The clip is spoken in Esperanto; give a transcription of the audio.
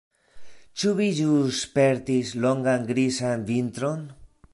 Ĉu vi ĵus spertis longan grizan vintron?